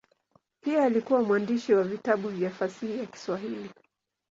Pia alikuwa mwandishi wa vitabu vya fasihi ya Kiswahili.